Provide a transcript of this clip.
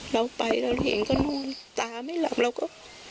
เราไปเราเห็นก็นู่นตาไม่หลับเราก็